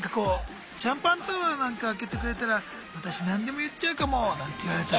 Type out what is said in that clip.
シャンパンタワーなんか開けてくれたら私何でも言っちゃうかもなんて言われたら。